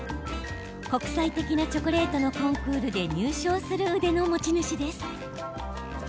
国際的なチョコレートのコンクールで入賞する腕の持ち主です。